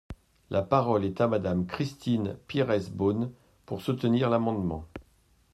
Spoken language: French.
La parole est à Madame Christine Pires Beaune, pour soutenir l’amendement.